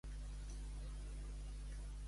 Si és de Déu.